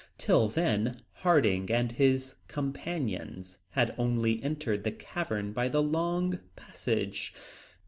Till then, Harding and his companions had only entered the cavern by the long passage.